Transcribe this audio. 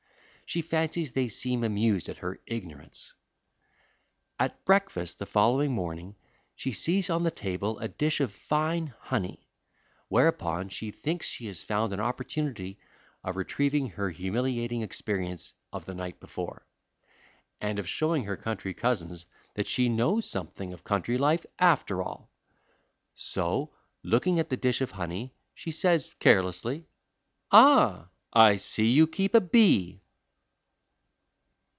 She fancies they seem amused at her ignorance. At breakfast the following morning she sees on the table a dish of fine honey, whereupon she thinks she has found an opportunity of retrieving her humiliating experience of the night before, and of showing her country cousins that she knows something of country life after all. So, looking at the dish of honey, she says carelessly: "Ah, I see you keep a bee."